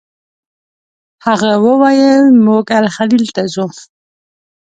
هغه وویل موږ الخلیل ته ځو.